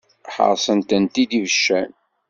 Ḥaṛṣen-tent-id ibeccan.